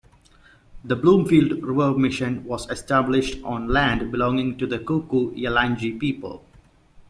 The Bloomfield River mission was established on land belonging to the Kuku-Yalanji people.